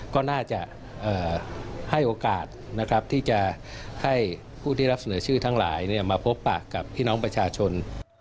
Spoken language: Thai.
ก็น่าจะให้โอกาสนะครับที่จะให้ผู้ที่รับเสนอชื่อทั้งหลายมาพบปากกับพี่น้องประชาชน